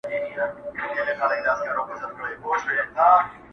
د کابل زيات خلګ د جعمې په شپه